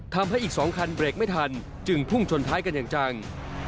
ทำให้อีก๒คันเบรกไม่ทันจึงพุ่งชนท้ายกันอย่างจัง